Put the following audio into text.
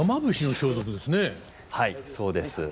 はいそうです。